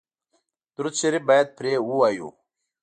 درود شریف باید پرې ووایو.